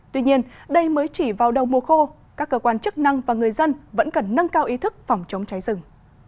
tuy nhiên đây mới chỉ vào đầu mùa khô các cơ quan chức năng và người dân vẫn cần nâng cao ý thức phòng chống cháy rừng